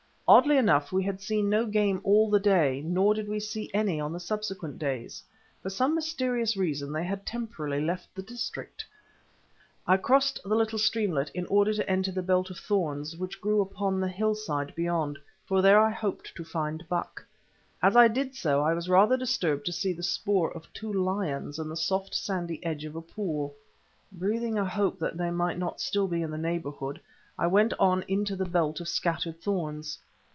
Oddly enough we had seen no game all the day, nor did we see any on the subsequent days. For some mysterious reason they had temporarily left the district. I crossed the little streamlet in order to enter the belt of thorns which grew upon the hill side beyond, for there I hoped to find buck. As I did so I was rather disturbed to see the spoor of two lions in the soft sandy edge of a pool. Breathing a hope that they might not still be in the neighbourhood, I went on into the belt of scattered thorns.